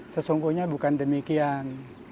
sesungguhnya bukan demikian